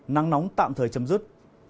nắng nóng tạm thời chấm dứt